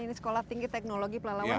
ini sekolah tinggi teknologi pelalawanan